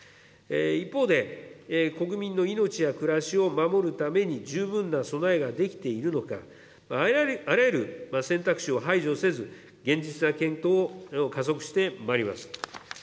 一方で、国民の命や暮らしを守るために十分な備えができているのか、あらゆる選択肢を排除せず、現実な検討を加速してまいります。